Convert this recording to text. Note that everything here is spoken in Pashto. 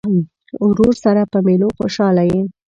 ورور سره په مېلو خوشحاله یې.